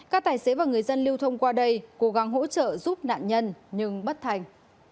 các tài xế và người dân lưu thông qua đây cố gắng hỗ trợ giúp nạn nhân nhưng bất thành